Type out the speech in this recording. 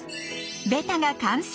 ベタが完成。